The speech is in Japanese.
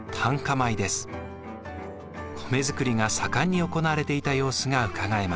米作りが盛んに行われていた様子がうかがえます。